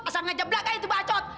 asal ngejeblak ya itu bacot